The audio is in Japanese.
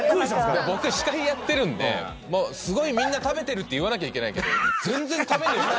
司会やってるんですごいみんな食べてるって言わなきゃいけないけど。